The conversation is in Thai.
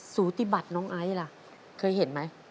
สูติบัติน้องไอซ์ล่ะเคยเห็นไหม